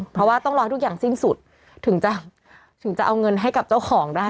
เพราะว่าต้องรอให้ทุกอย่างสิ้นสุดถึงจะถึงจะเอาเงินให้กับเจ้าของได้